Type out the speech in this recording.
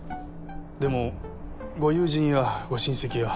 でもご友人やご親戚や。